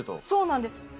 そうなんです。